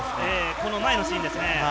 この前のシーンですね。